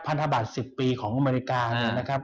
พันธบาท๑๐ปีของอเมริกาเนี่ยนะครับ